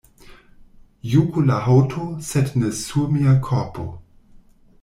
Juku la haŭto, sed ne sur mia korpo.